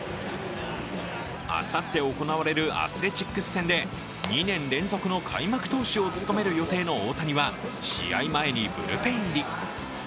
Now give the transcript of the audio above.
あさって行われるアスレチックス戦で２年連続の開幕投手を務める予定の大谷は試合前にブルペン入り。